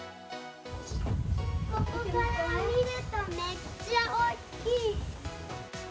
ここから見ると、めっちゃ大きい。